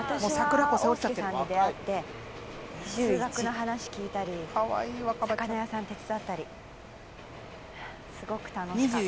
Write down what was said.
「私は欧介さんに出会って数学の話聞いたり魚屋さん手伝ったり」「すごく楽しかった」